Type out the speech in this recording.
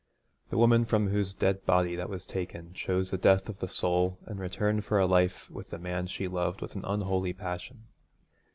The woman from whose dead body that was taken chose the death of the soul in return for a life with the man whom she loved with an unholy passion.